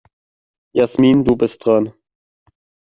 Jasmin, du bist dran.